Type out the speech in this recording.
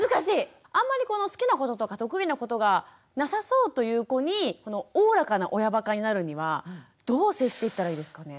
あんまりこの好きなこととか得意なことがなさそうという子におおらかな親ばかになるにはどう接していったらいいですかね？